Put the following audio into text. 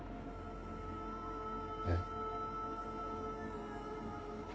えっ？